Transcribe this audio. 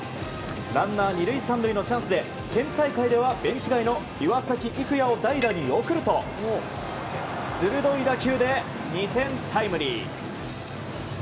ランナー２塁３塁のチャンスで県大会ではベンチ外の岩崎生弥を代打に送ると鋭い打球で２点タイムリー。